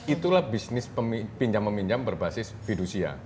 itulah bisnis pinjam meminjam berbasis fidusia